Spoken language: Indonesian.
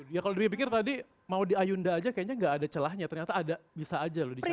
ya kalau dibikin tadi mau diayunda aja kayaknya nggak ada celahnya ternyata ada bisa aja loh dicari